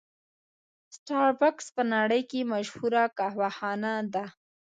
سټار بکس په نړۍ کې مشهوره قهوه خانه ده.